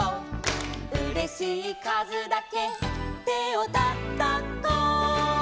「うれしいかずだけてをたたこ」